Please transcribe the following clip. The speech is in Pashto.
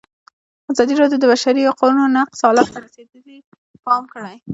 ازادي راډیو د د بشري حقونو نقض حالت ته رسېدلي پام کړی.